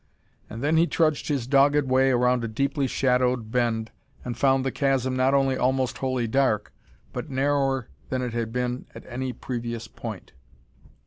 And then he trudged his dogged way around a deeply shadowed bend, and found the chasm not only almost wholly dark, but narrower than it had been at any previous point.